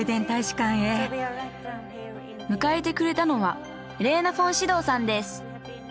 迎えてくれたのはレーナ・フォン・シドーさんです。